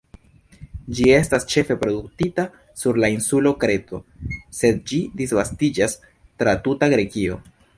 Ĝi estas ĉefe produktita sur la insulo Kreto, sed ĝi disvastiĝas tra tuta Grekio.